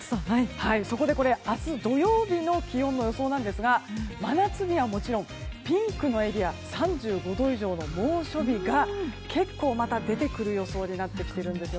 そこで、明日土曜日の気温の予想なんですが真夏日はもちろんピンクのエリア３５度以上の猛暑日が結構出てくる予想になっているんです。